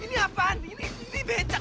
ini apa ini sepeda mini